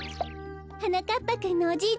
はなかっぱくんのおじい